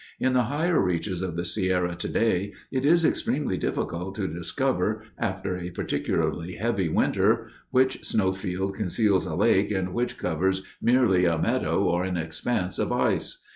In the higher reaches of the Sierra today it is extremely difficult to discover, after a particularly heavy winter, which snow field conceals a lake and which covers merely a meadow or an expanse of ice.